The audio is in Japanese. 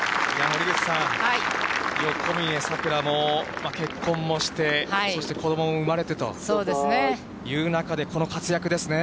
森口さん、横峯さくらも結婚もして、そして子どもも生まれてという中で、この活躍ですね。